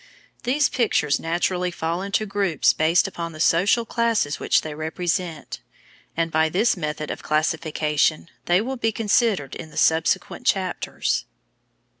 These pictures naturally fall into groups based upon the social classes which they represent, and by this method of classification, they will be considered in the subsequent chapters. [Illustration: PENELOPE BOOTHBY. REYNOLDS.